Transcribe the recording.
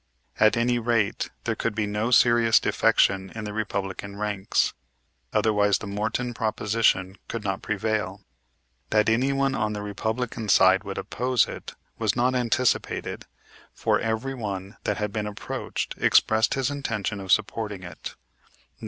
At any rate there could be no serious defection in the Republican ranks, otherwise the Morton proposition could not prevail. That anyone on the Republican side would oppose it was not anticipated, for every one that had been approached expressed his intention of supporting it.